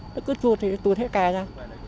nó cứ chụt thì tụt hết kè ra